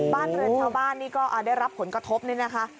บ้านเรือนชาวบ้านนี่ก็ได้รับผลกระทบนี่นะคะ